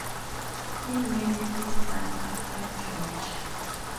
He named his son after George.